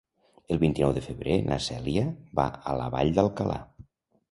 El vint-i-nou de febrer na Cèlia va a la Vall d'Alcalà.